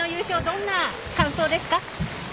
どんな感想ですか？